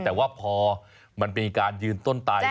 แต่ว่าพอมันมีการยืนต้นตาย